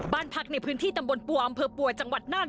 บ้านพักในพื้นที่ตำบลปัวอำเภอปัวจังหวัดน่าน